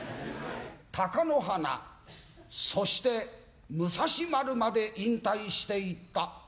貴乃花そして武蔵丸まで引退して行った。